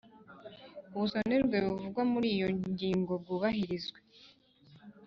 Ubusonerwe buvugwa muri iyo ngingo bwubahirizwe